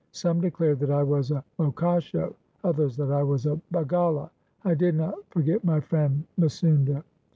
Some declared that I was a mokasho, others that I was a hagala. I did not forget my friend Misounda.